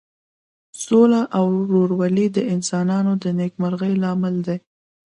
سوله او ورورولي د انسانانو د نیکمرغۍ لامل ده.